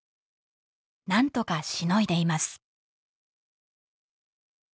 なんとかしのいでいます。